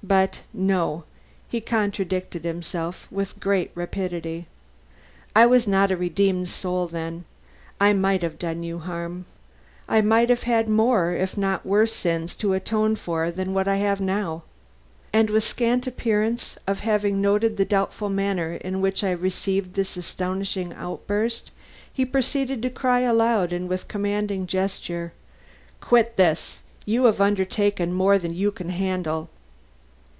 But no " he contradicted himself with great rapidity; "I was not a redeemed soul then; I might have done you harm. I might have had more if not worse sins to atone for than I have now." And with scant appearance of having noted the doubtful manner in which I had received this astonishing outburst, he proceeded to cry aloud and with a commanding gesture: "Quit this. You have undertaken more than you can handle.